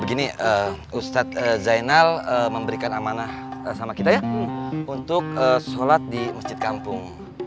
begini ustadz zainal memberikan amanah sama kita ya untuk sholat di masjid kampung